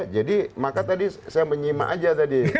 jadi maka tadi saya menyima aja tadi